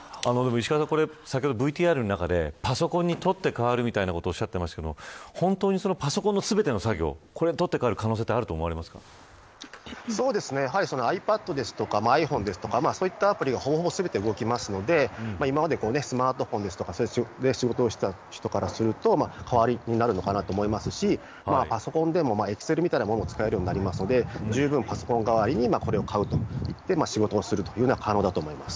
石川さん、先ほどＶＴＲの中でパソコンにとって代わるみたいなことをおっしゃってましたが本当にパソコンの全ての作業を取って代わる可能性がｉＰａｄやｉＰｈｏｎｅそういったアプリがほぼ全て動きますので今までスマートフォンで仕事をしていた人からすると代わりになると思いますしパソコンでもエクセルみたいなものが使えるようになるのでパソコン代わりにこれを買う仕事をするというのも可能になると思います。